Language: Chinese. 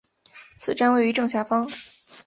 此站位于正下方。